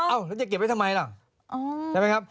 เอ้าแล้วจะเก็บไว้ทำไมหรอ